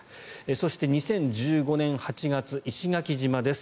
そして、２０１５年８月石垣島です。